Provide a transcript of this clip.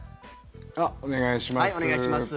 お願いします。